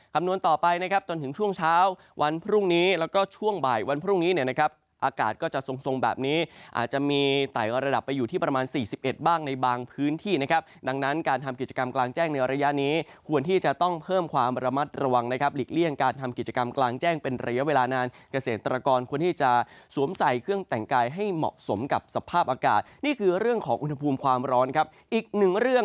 คำนวณต่อไปนะครับจนถึงช่วงเช้าวันพรุ่งนี้แล้วก็ช่วงบ่ายวันพรุ่งนี้นะครับอากาศก็จะทรงแบบนี้อาจจะมีไต่ระดับไปอยู่ที่ประมาณสี่สิบเอ็ดบ้างในบางพื้นที่นะครับดังนั้นการทำกิจกรรมกลางแจ้งในระยะนี้ควรที่จะต้องเพิ่มความระมัดระวังนะครับหลีกเลี่ยงการทำกิจกรรมกลางแจ้งเป็นระยะเวลานานเก